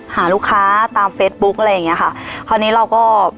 หาลูกค้าตามเฟซบุ๊คอะไรอย่างเงี้ยค่ะคราวนี้เราก็